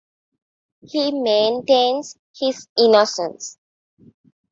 He maintains his innocence.